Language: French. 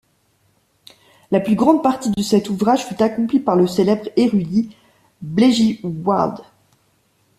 La plus grande partie de cet ouvrage fut accompli par le célèbre érudit Blegywryd.